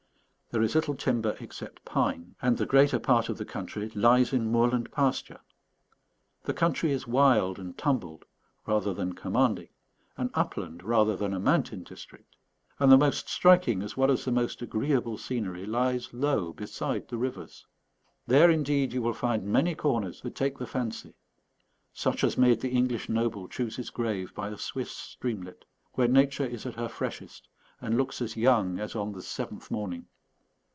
There is little timber except pines, and the greater part of the country lies in moorland pasture. The country is wild and tumbled rather than commanding; an upland rather than a mountain district; and the most striking as well as the most agreeable scenery lies low beside the rivers. There, indeed, you will find many corners that take the fancy; such as made the English noble choose his grave by a Swiss streamlet, where Nature is at her freshest, and looks as young as on the seventh morning.